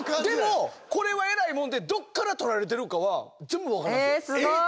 でもこれはえらいもんでどっから撮られてるかは全部分かりますよ。